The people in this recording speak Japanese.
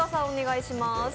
お願いします。